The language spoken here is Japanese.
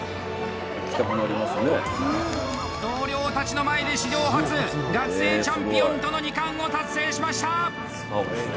同僚たちの前で史上初学生チャンピオンとの２冠を達成しました！